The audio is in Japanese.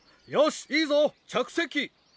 よしいいぞ着席。